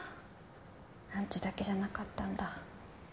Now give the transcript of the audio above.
アンチだけじゃなかったんだ。